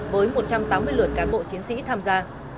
với một trăm tám mươi lượt cán bộ chiến sĩ tham gia